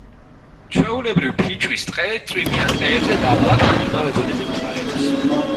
ჩვეულებრივ, ფიჭვის ტყე წვიმიან ტყეებზე დაბლა ან იმავე დონეზე მდებარეობს.